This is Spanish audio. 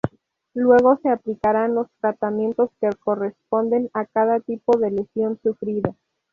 Luego se aplicarán los tratamientos que correspondan a cada tipo de lesión sufrida.